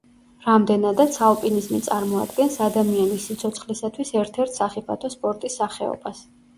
რამდენადაც ალპინიზმი წარმოადგენს ადამიანის სიცოცხლისათვის ერთ-ერთ სახიფათო სპორტის სახეობას.